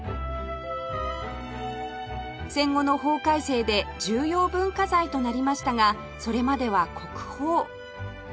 戦後の法改正で重要文化財となりましたがそれまでは国宝